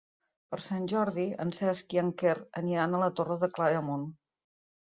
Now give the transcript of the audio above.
Per Sant Jordi en Cesc i en Quer aniran a la Torre de Claramunt.